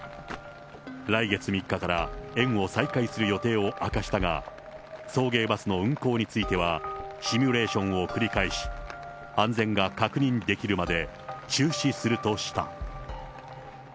来月３日から園を再開する予定を明かしたが、送迎バスの運行については、シミュレーションを繰り返し、安全が確認できるまで中止するとした。